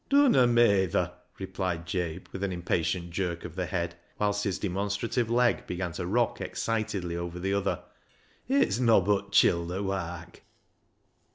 " Dunna meyther," replied Jabe, with an im patient jerk of the head, whilst his demonstra tive leg began to rock excitedly over the other, " it's nobbut childer wark."